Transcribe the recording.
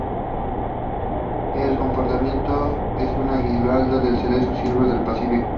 El compartimiento es una guirnalda de Cerezo Silvestre del Pacífico.